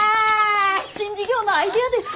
新事業のアイデアですか？